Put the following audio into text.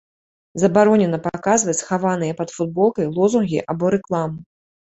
Забаронена паказваць схаваныя пад футболкай лозунгі або рэкламу.